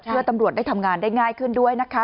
เพื่อตำรวจได้ทำงานได้ง่ายขึ้นด้วยนะคะ